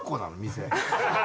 店。